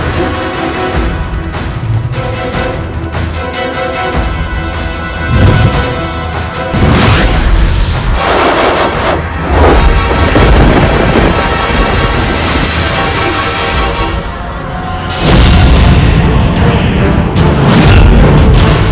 bila sel surprising